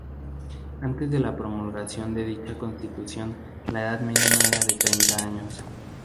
Antes de la promulgación de dicha Constitución la edad mínima era de treinta años.